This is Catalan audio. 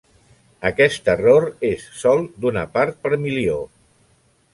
Aquest error és sol d'una part per milió.